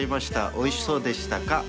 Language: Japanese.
おいしそうでしたか？